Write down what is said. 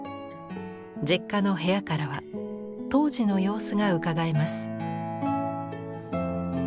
実家の部屋からは当時の様子がうかがえます。